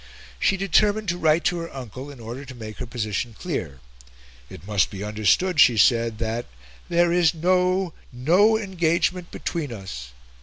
She determined to write to her uncle, in order to make her position clear. It must be understood she said, that "there is no no engagement between us."